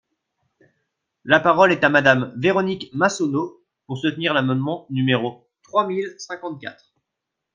La parole est à Madame Véronique Massonneau, pour soutenir l’amendement numéro trois mille cinquante-quatre.